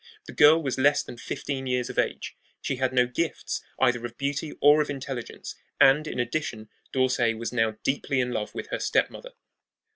The girl was less than fifteen years of age. She had no gifts either of beauty or of intelligence; and, in addition, D'Orsay was now deeply in love with her stepmother.